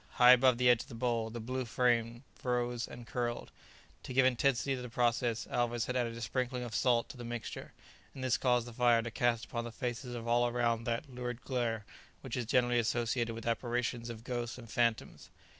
High above the edge of the bowl the blue flame rose and curled. To give intensity to the process Alvez had added a sprinkling of salt to the mixture, and this caused the fire to cast upon the faces of all around that lurid glare which is generally associated with apparitions of ghosts and phantoms.